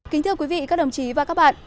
kính thưa quý vị các đồng chí và các bạn